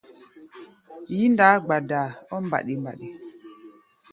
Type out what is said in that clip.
Yí-ndaá gbadaa ɔ́ mbaɗi-mbaɗi.